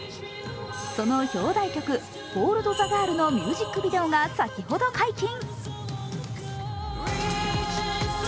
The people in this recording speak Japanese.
その表題曲「ＨｏｌｄＴｈｅＧｉｒｌ」のミュージックビデオが先ほど解禁。